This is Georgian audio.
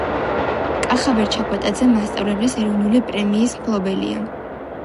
კახაბერ ჩაკვეტაძე მასწავლებლის ეროვნული პრემიის მფლობელია